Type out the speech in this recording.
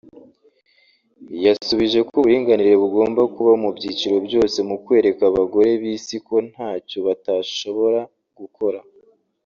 yasubije ko uburinganire bugomba kubaho mu byiciro byose mu kwereka abagore b’Isi ko ntacyo batashobora gukora